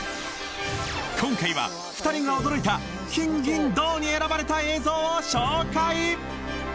今回は２人が驚いた金銀銅に選ばれた映像を紹介！